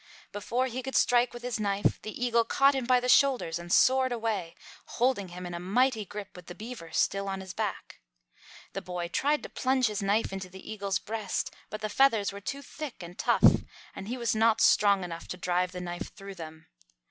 Before he could strike with his knife, the Eagle caught him by the shoulders and soared away, holding him in a mighty grip with the beaver still on his back. The boy tried to plunge his knife into the Eagle's breast, but the feathers were too thick and tough, and he was not strong enough to drive the knife through them.